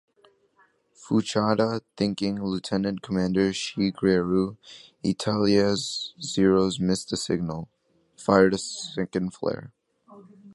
Fuchida thinking Lieutenant Commander Shigeru Itaya's Zero's, missed the signal, fired a second flare.